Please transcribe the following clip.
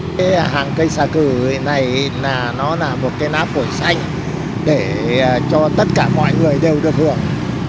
cái hàng cây xà cử này nó là một cái náp cổi xanh để cho tất cả mọi người đều được hưởng